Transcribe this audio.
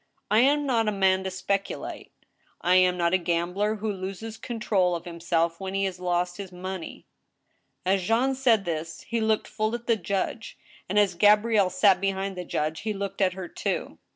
I am not a man to speculate, I am not a gambler who loses control of liimself when he has lost his money." As Jean said this, he looked full at the judge, and, as Gabrielle sat behind the judge, he looked at her too.